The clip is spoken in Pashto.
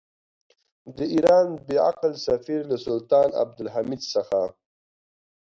د ایران بې عقل سفیر له سلطان عبدالحمید څخه.